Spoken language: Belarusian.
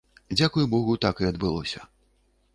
Дзякуй богу, так і адбылося.